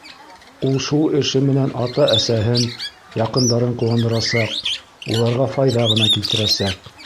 Ул шул эше менән ата-әсәһен, яҡындарын ҡыуандырасаҡ, уларға файҙа ғына килтерәсәк.